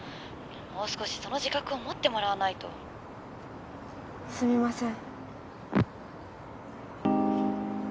もう少しその自覚を持ってもらわないとすみません